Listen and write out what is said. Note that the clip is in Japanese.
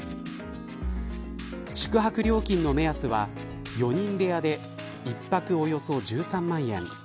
宿泊料金の目安は４人部屋で１泊およそ１３万円。